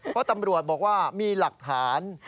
เพราะตำรวจบอกว่ามีหลักฐาน